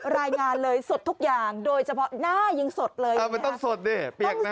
รายงานเลยสดทุกอย่างโดยเฉพาะหน้ายังสดเลยเออมันต้องสดดิเปียกนะ